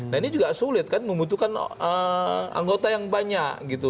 nah ini juga sulit kan membutuhkan anggota yang banyak gitu